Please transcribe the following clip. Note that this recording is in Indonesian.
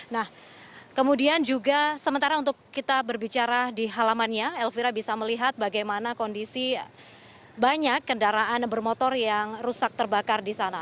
nah kemudian juga sementara untuk kita berbicara di halamannya elvira bisa melihat bagaimana kondisi banyak kendaraan bermotor yang rusak terbakar di sana